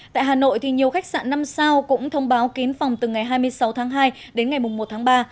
tại hà nội nhiều khách sạn năm sao cũng thông báo kín phòng từ ngày hai mươi sáu tháng hai đến ngày một tháng ba